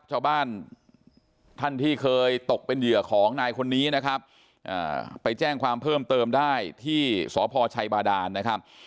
ชาวบ้านท่านที่เคยตกเป็นเหยื่อของนายคนนี้นะครับไปแจ้งความเพิ่มเติมได้ที่สพชัยบาดานนะครับ